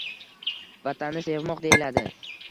“Vatanni sevmoq” deyiladi.